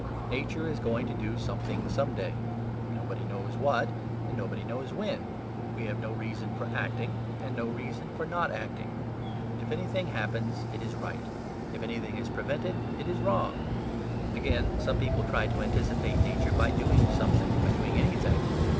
Nature is going to do something some day; nobody knows what, and nobody knows when. We have no reason for acting, and no reason for not acting. If anything happens it is right: if anything is prevented it was wrong. Again, some people try to anticipate nature by doing something, by doing anything.